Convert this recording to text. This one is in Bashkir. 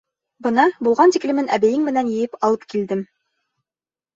Бына булған тиклемен әбейең менән йыйып алып килдем.